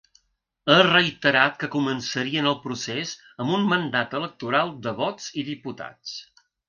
Ha reiterat que començarien el procés amb un mandat electoral de vots i diputats.